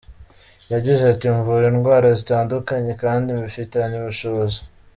Yagize ati “mvura indwara zitandukanye kandi mbifitiye ubushobozi.